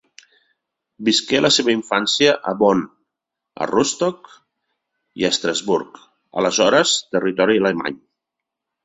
Visqué la seva infància a Bonn, a Rostock i a Estrasburg, aleshores territori alemany.